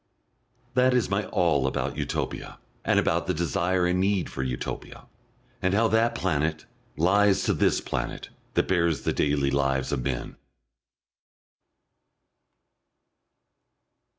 That is my all about Utopia, and about the desire and need for Utopia, and how that planet lies to this planet that bears the daily lives of men.